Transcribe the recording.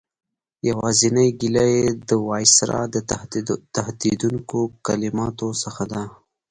یوازینۍ ګیله یې د وایسرا د تهدیدوونکو کلماتو څخه ده.